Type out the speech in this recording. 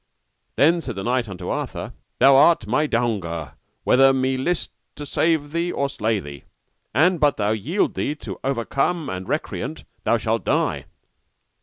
Then said the knight unto Arthur, Thou art in my daunger whether me list to save thee or slay thee, and but thou yield thee as overcome and recreant, thou shalt die.